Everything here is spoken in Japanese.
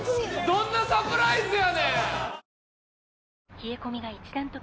どんなサプライズやねん！